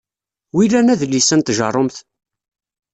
Wilan adlis-a n tjerrumt?